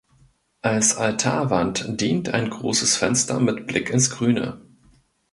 Als Altarwand dient ein großes Fenster mit Blick ins Grüne.